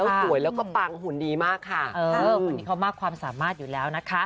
เออพวกนี้เขามากความสามารถอยู่แล้วนะคะ